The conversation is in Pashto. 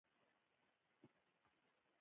احتیاط د هر چلوونکي فرض دی.